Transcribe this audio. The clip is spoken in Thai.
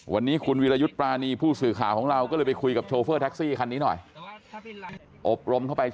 วันนี้คุณวิรายุทธ์ปรานีผู้สื่อข่าวของเราก็เลยไปคุยกับโชเฟอร์